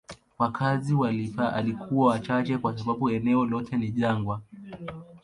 Wakazi walikuwa wachache kwa sababu eneo lote ni jangwa.